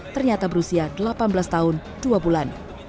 ternyata berusia delapan belas tahun dua bulan